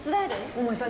桃井さん